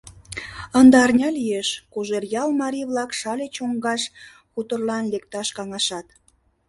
Ынде арня лиеш, Кожеръял марий-влак Шале чоҥгаш хуторлан лекташ каҥашат.